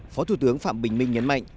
phó thủ tướng phạm bình minh nhấn mạnh